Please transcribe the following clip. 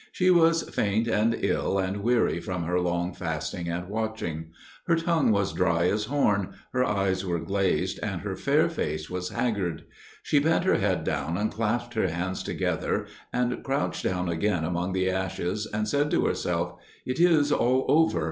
She was faint and ill and weary from her long fasting and watching; her tongue was dry as horn, her eyes were glazed, and her fair face was haggard. She bent her head down and clasped her hands together, and crouched down again among the ashes, and said to herself, "It is all over.